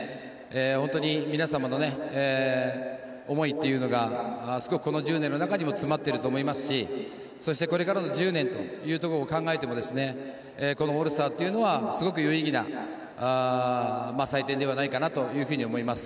本当に皆様の思いというのがすごくこの１０年の中にも詰まっていると思いますしそして、これからの１０年ということを考えてもこのオールスターというのはすごく有意義な祭典ではないかと思います。